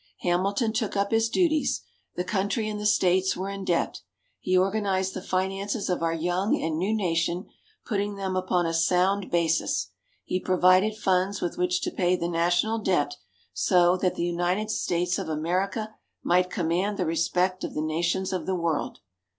Hamilton took up his duties. The Country and the States were in debt. He organized the finances of our young and new Nation, putting them upon a sound basis; he provided funds with which to pay the National debt, so that the United States of America "might command the respect of the Nations of the World."